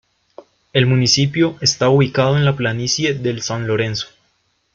El municipio está ubicado en la planicie del San Lorenzo.